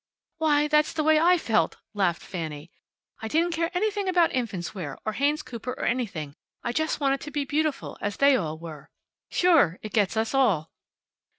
"Why, that's the way I felt!" laughed Fanny. "I didn't care anything about infants' wear, or Haynes Cooper, or anything. I just wanted to be beautiful, as they all were." "Sure! It gets us all!"